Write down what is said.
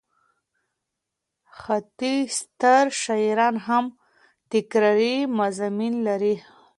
حتی ستر شاعران هم تکراري مضامین لري.